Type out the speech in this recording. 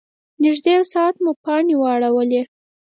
نږدې یو ساعت مو پانې واړولې.